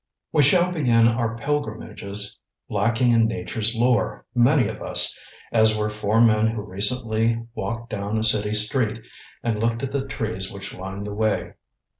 We shall begin our pilgrimages lacking in Nature's lore, many of us, as were four men who recently walked down a city street and looked at the trees which lined the way.